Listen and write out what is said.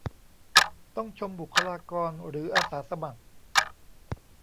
ต้องชมบุคคลากรหรืออาสาสมัคร